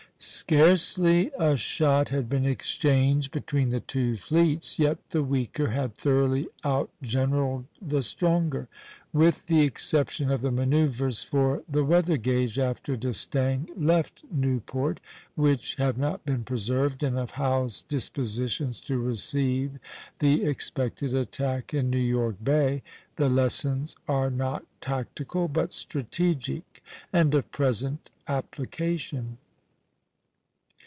Scarcely a shot had been exchanged between the two fleets, yet the weaker had thoroughly outgeneralled the stronger. With the exception of the manoeuvres for the weather gage after D'Estaing left Newport, which have not been preserved, and of Howe's dispositions to receive the expected attack in New York Bay, the lessons are not tactical, but strategic, and of present application.